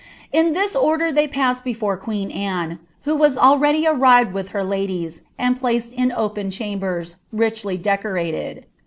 In to onler they paeeed before qiieen Anne, who was already «ni*ed wilk ha ladies, and placed in open rhambere," richly decoratnj.